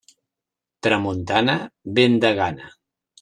Tramuntana, vent de gana.